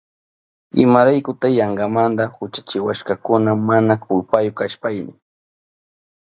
¿Imaraykuta yankamanta uchachiwashkakuna mana kulpayu kashpayni?